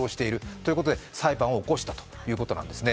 そういうことで裁判を起こしたということなんですね。